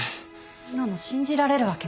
そんなの信じられるわけないじゃん。